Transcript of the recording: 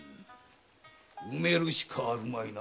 埋めるしかあるまいな。